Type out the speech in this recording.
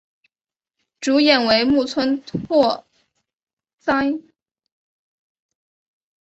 主演为木村拓哉。